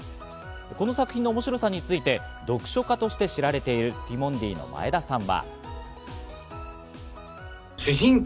この作品の面白さについて、読書家として知られているティモンディの前田さんは。